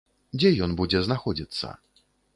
Дзе ён будзе знаходзіцца?